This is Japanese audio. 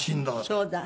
そうだ。